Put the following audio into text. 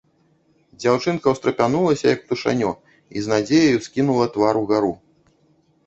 Дзяўчынка ўстрапянулася, як птушанё, і з надзеяй ускінула твар угару.